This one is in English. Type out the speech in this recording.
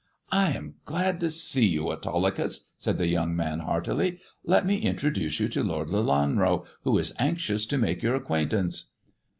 " I am glad to see you, Autolycus," said the young man heartily ;" let me introduce you to Lord Lelanro, who is anxious to make your acquaintance."